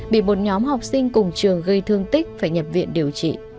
bị một nhóm học sinh cùng trường gây thương tích phải nhập viện điều trị